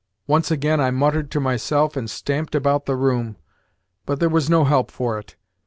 Once again I muttered to myself and stamped about the room, but there was no help for it.